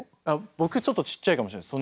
僕ちょっとちっちゃいかもしれないです。